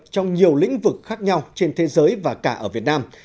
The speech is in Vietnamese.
trong nhiều lĩnh vực khác nhau trên thế giới và cả ở việt nam